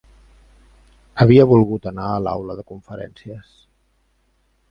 Havia volgut anar a l'Aula de Conferències